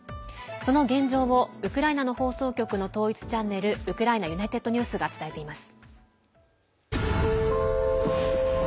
その現状を、ウクライナの放送局の統一チャンネルウクライナＵｎｉｔｅｄＮｅｗｓが伝えています。